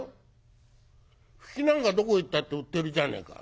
「ふきなんかどこ行ったって売ってるじゃねえか」。